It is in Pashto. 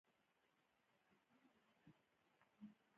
دا د تولید د ویش او مصرف په بهیر کې رامنځته کیږي.